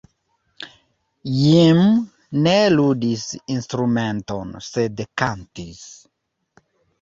Jim ne ludis instrumenton, sed kantis.